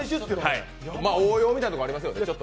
応用みたいなところありますよね